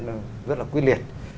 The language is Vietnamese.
nó rất là quyết liệt